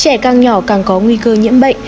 trẻ càng nhỏ càng có nguy cơ nhiễm bệnh